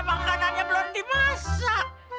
makanannya belum dimasak